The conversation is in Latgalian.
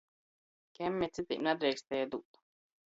Kemmi cytim nadreikstēja dūt.